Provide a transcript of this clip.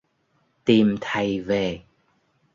Tìm thầy về